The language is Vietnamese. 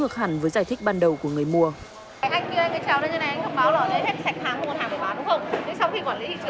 sau khi quản lý thị trường đến thì các chị lại bấm hàng vào